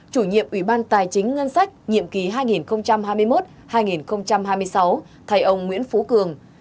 chủ nhiệm ủy ban tài chính ngân sách nhiệm kỳ hai nghìn hai mươi một hai nghìn hai mươi sáu thay ông nguyễn phú cường